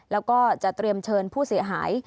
แล้วก็จะเตรียมเชิญผู้เสียหาย